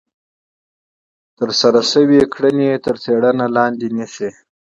ترسره شوي فعالیتونه تر غور لاندې نیسي.